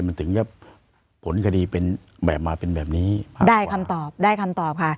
มันถึงจะผลคดีเป็นแบบมาเป็นแบบนี้ได้คำตอบได้คำตอบค่ะ